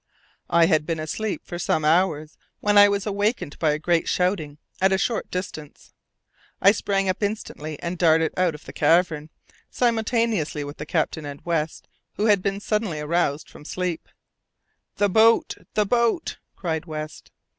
I had been asleep for some hours when I was awakened by a great shouting at a short distance. I sprang up instantly and darted out of the cavern, simultaneously with the captain and West, who had also been suddenly aroused from sleep. "The boat! the boat!" cried West.